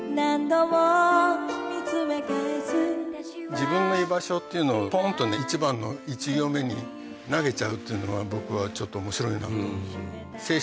自分の居場所っていうのをポンとね１番の１行目に投げちゃうっていうのは僕はちょっと面白いなと思う。